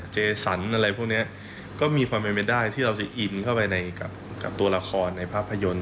เจสันอะไรพวกนี้ก็มีความเป็นไปได้ที่เราจะอินเข้าไปในกับตัวละครในภาพยนตร์